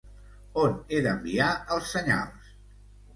On he d'enviar els senyals?